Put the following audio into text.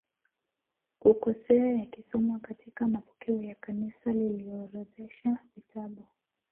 kukosea yakisomwa katika mapokeo ya Kanisa lililoorodhesha vitabu